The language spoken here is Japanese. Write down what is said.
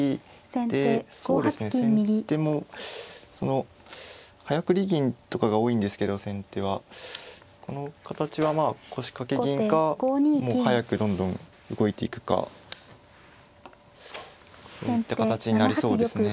先手もその早繰り銀とかが多いんですけど先手はこの形はまあ腰掛け銀かもう速くどんどん動いていくかそういった形になりそうですね。